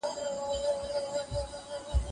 ایا واړه پلورونکي بادام ساتي؟